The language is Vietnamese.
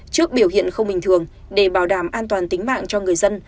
trước biểu hiện không bình thường để bảo đảm an toàn tính mạng cho người dân